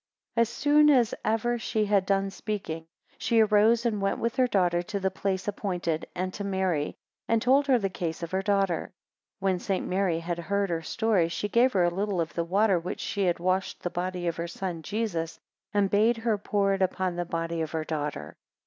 11 As soon as ever she had done speaking, she arose and went with her daughter to the place appointed, and to Mary, and told her the case of her daughter. 12 When St. Mary had heard her story, she gave her a little of the water with which she had washed the body of her son Jesus, and bade her pour it upon the body of her daughter.